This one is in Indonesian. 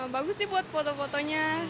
bagus sih buat foto fotonya